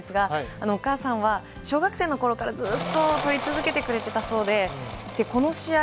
お母さんは小学生のころからずうっと撮り続けてくれたそうでこの試合